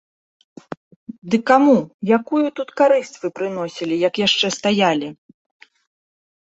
Ды каму, якую тут карысць вы прыносілі, як яшчэ стаялі?